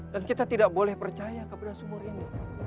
dan kita tidak boleh percaya kepada sumur ini